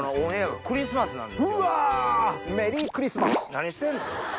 何してんの？